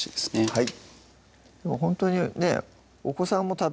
はい